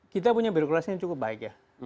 kita punya birokrasi yang cukup baik ya